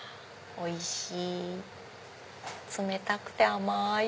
おいしい。